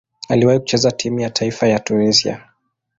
Aliwahi kucheza timu ya taifa ya Tunisia.